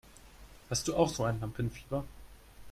Hast du auch so ein Lampenfieber?